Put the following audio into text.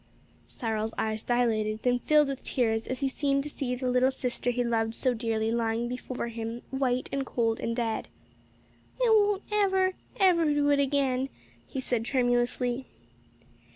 Cyril's eyes dilated, then filled with tears as he seemed to see the little sister he loved so dearly lying before him white and cold and dead. "I won't ever, ever do it again," he said tremulously.